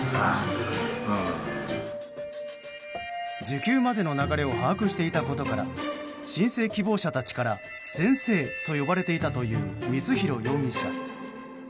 受給までの流れを把握していたことから申請希望者たちから、先生と呼ばれていたという光弘容疑者。